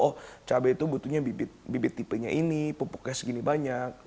oh cabai itu butuhnya bibit tipenya ini pupuknya segini banyak